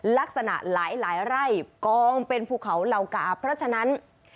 ลักษณะหลายไร่กองเป็นภูเขาเหล่ากาเพราะฉะนั้น